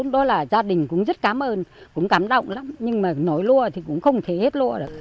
đó là gia đình cũng rất cảm ơn cũng cảm động lắm nhưng mà nói lua thì cũng không thể hết lua được